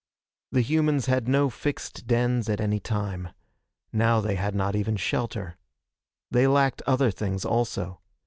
The humans had no fixed dens at any time. Now they had not even shelter. They lacked other things, also.